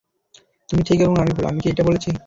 তুমি ঠিক এবং আমি ভুল - আমি কি এটা বলেছি?